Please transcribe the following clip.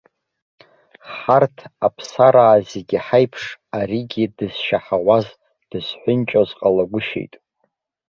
Ҳарҭ, аԥсараа зегьы ҳаиԥш, аригьы дызшьаҳауаз, дызҳәынҷоз ҟалагәышьеит.